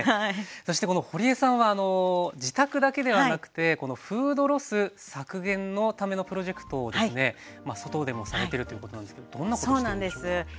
そしてほりえさんは自宅だけではなくてフードロス削減のためのプロジェクトをですね外でもされてるということなんですけどどんなことをしてるんでしょうか？